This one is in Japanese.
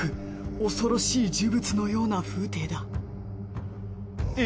恐ろしい呪物のような風体だえ。